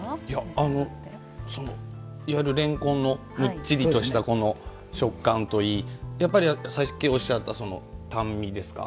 いわゆる、れんこんのもっちりとした食感といいやっぱり、さっきおっしゃった淡味ですか。